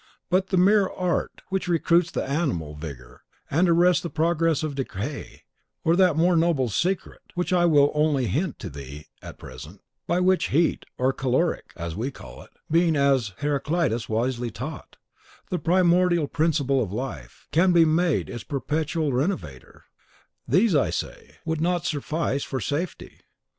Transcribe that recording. But the mere art (extracted from the juices and simples) which recruits the animal vigour and arrests the progress of decay, or that more noble secret, which I will only hint to thee at present, by which HEAT, or CALORIC, as ye call it, being, as Heraclitus wisely taught, the primordial principle of life, can be made its perpetual renovater, these I say, would not suffice for safety.